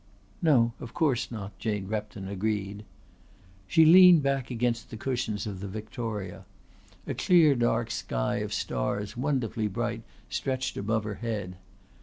"No, of course not," Jane Repton agreed. She leaned back against the cushions of the victoria. A clear dark sky of stars wonderfully bright stretched above her head.